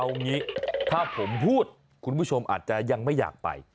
เอางี้ถ้าผมพูดคุณผู้ชมอาจจะยังไม่อยากไป